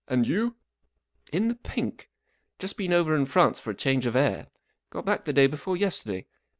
And you ? M In the pink, just been over in France for a change of air. Gut back the day before yesterday.